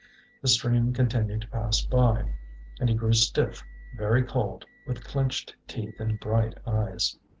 The stream continued to pass by, and he grew stiff, very cold, with clenched teeth and bright eyes.